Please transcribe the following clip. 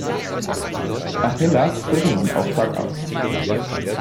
Achillas führte diesen Auftrag aus.